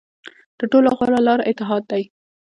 تر ټولو غوره لاره اتحاد دی.